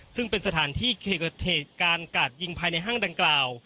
ซึ่งเป็นสถานที่เขตการกาดยิงภายในห้างดังกล่าว